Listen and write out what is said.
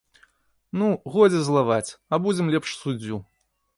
Ну, годзе злаваць, абудзім лепш суддзю.